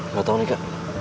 gak tau nih kak